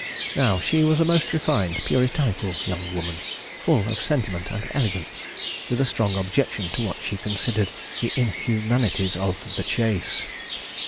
Now, she was a most refined, puritanical young woman, full of sentiment and elegance, with a strong objection to what she considered the inhumanities of the chase.